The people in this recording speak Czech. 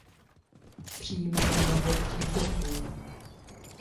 Přijímá mnoho přítoků.